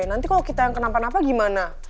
nanti kalau kita yang kenapa napa gimana